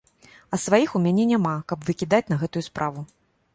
А сваіх у мяне няма, каб выкідаць на гэтую справу.